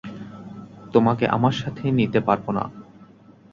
তোমাকে আমার সাথে নিতে পারবো না।